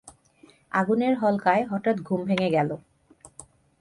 আগুনের হলকায় হঠাৎ ঘুম ভেঙে গেল।